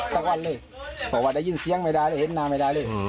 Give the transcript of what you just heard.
สักวันยินเสียงไม่ได้เลยเห็นภาพไม่ได้เลย